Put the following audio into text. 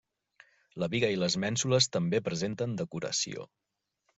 La biga i les mènsules també presenten decoració.